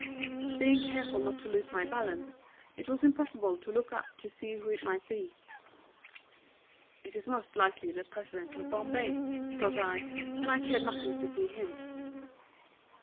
Being careful not to lose my balance, it was impossible to look up to see who it might be: "It is most likely the President of Bombay," thought I, and I cared nothing to see him.